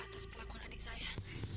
atas pelakuan adik saya